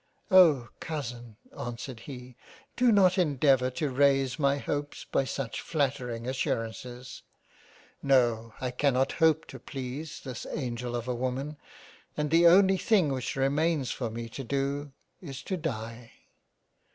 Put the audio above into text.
" Oh ! Cousin answered he, do not endeavour to raise my hopes by such flattering assurances. No, I cannot hope to please this angel of a Woman, and the only thing which remains for me to do, is to die."